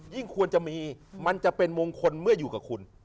ควรจะมีมันจะเป็นมงคลเมื่ออยู่กับคุณ